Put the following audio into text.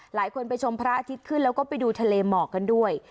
ไปชมพระอาทิตย์ขึ้นแล้วก็ไปดูทะเลหมอกกันด้วย